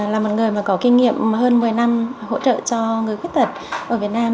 là một người mà có kinh nghiệm hơn một mươi năm hỗ trợ cho người khuyết tật ở việt nam